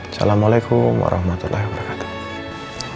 assalamualaikum warahmatullahi wabarakatuh